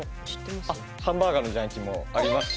ハンバーガーの自販機もありますし。